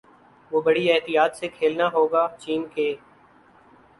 وہ بڑی احتیاط سے کھیلنا ہوگا چین کے